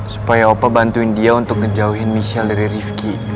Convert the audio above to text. supaya opa bantuin dia untuk ngejauhin michelle dari rifki